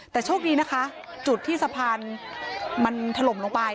แต่โชคดีนะคะจุดที่สะพานมันถล่มลงไป